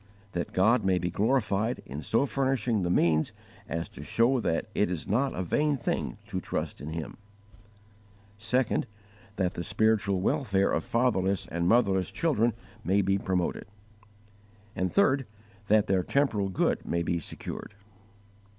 That God may be glorified in so furnishing the means as to show that it is not a vain thing to trust in Him. 2. That the spiritual welfare of fatherless and motherless children may be promoted. 3. That their temporal good may be secured.